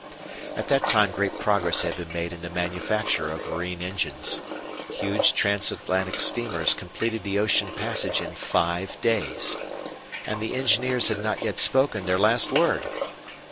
At that time great progress had been made in the manufacture of marine engines. Huge transatlantic steamers completed the ocean passage in five days. And the engineers had not yet spoken their last word.